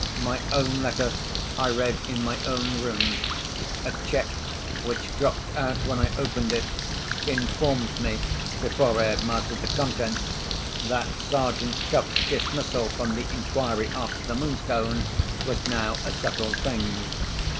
My own letter, I read in my own room. A cheque, which dropped out when I opened it, informed me (before I had mastered the contents) that Sergeant Cuff's dismissal from the inquiry after the Moonstone was now a settled thing.